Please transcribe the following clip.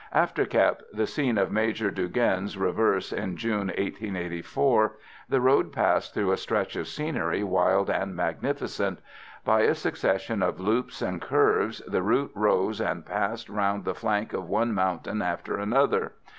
After Kep, the scene of Major Dugenne's reverse in June, 1884, the road passed through a stretch of scenery wild and magnificent. By a succession of loops and curves the route rose and passed round the flank of one mountain after another.